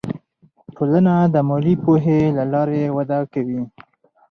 ټولنه د مالي پوهې له لارې وده کوي.